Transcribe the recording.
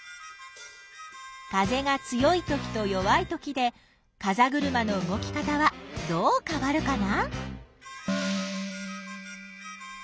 風が強いときと弱いときでかざぐるまの動き方はどうかわるかな？